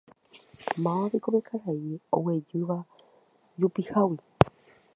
Mávapiko pe karai oguejýva jupihágui.